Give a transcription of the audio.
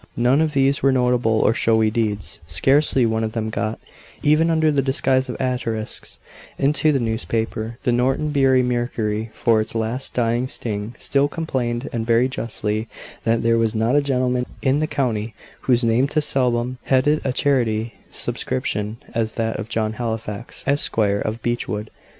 None of these were notable or showy deeds scarcely one of them got, even under the disguise of asterisks, into the newspaper; the Norton Bury Mercury, for its last dying sting, still complained (and very justly) that there was not a gentleman in the county whose name so seldom headed a charity subscription as that of John Halifax, Esquire, of Beechwood.